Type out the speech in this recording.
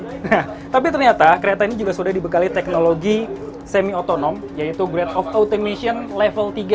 nah tapi ternyata kereta ini juga sudah dibekali teknologi semi otonom yaitu grade of automation level tiga